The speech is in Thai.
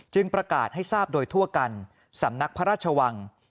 ประกาศให้ทราบโดยทั่วกันสำนักพระราชวัง